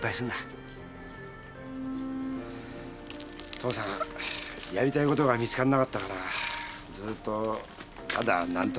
父さんやりたいことが見つからなかったからずっとただ何となく生きてきた。